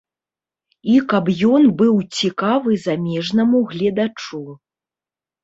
І каб ён быў цікавы замежнаму гледачу.